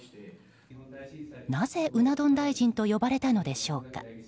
なぜ、うな丼大臣と呼ばれたのでしょうか。